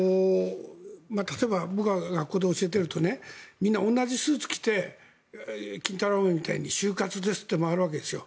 例えば僕が学校で教えてるとみんな同じスーツを着て金太郎飴みたいに就活ですって回るわけですよ。